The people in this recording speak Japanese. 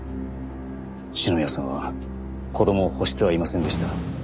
篠宮さんは子供を欲してはいませんでした。